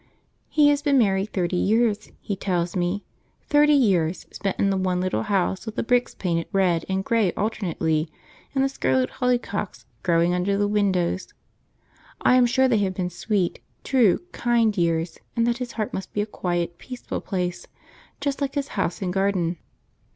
He has been married thirty years, he tells me; thirty years, spent in the one little house with the bricks painted red and grey alternately, and the scarlet holly hocks growing under the windows. I am sure they have been sweet, true, kind years, and that his heart must be a quiet, peaceful place just like his house and garden.